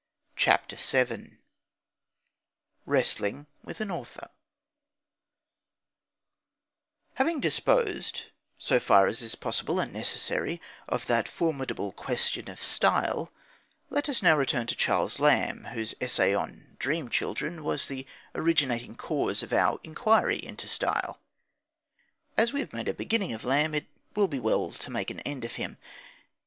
CHAPTER VII WRESTLING WITH AN AUTHOR Having disposed, so far as is possible and necessary, of that formidable question of style, let us now return to Charles Lamb, whose essay on Dream Children was the originating cause of our inquiry into style. As we have made a beginning of Lamb, it will be well to make an end of him.